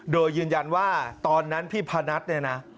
โดยยืนยันว่าตอนนั้นพี่พานัทเนี่ยนะ